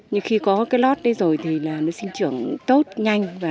nhưng khi có cái lót đây rồi thì nó sinh trưởng tốt nhanh